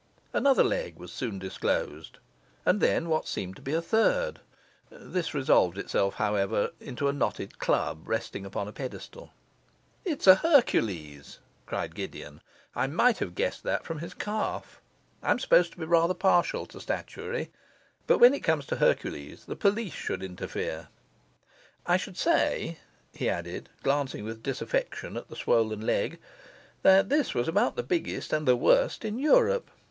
Another leg was soon disclosed, and then what seemed to be a third. This resolved itself, however, into a knotted club resting upon a pedestal. 'It is a Hercules,' cried Gideon; 'I might have guessed that from his calf. I'm supposed to be rather partial to statuary, but when it comes to Hercules, the police should interfere. I should say,' he added, glancing with disaffection at the swollen leg, 'that this was about the biggest and the worst in Europe.